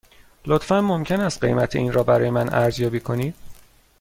لطفاً ممکن است قیمت این را برای من ارزیابی کنید؟